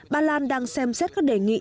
bà lan đang xem xét các đề nghị